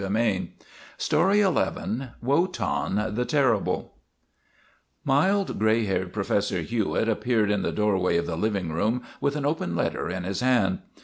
WOTAN, THE TERRIBLE WOTAN, THE TERRIBLE MILD, gray haired Professor Hewitt appeared in the doorway of the living room with an open letter in his hand.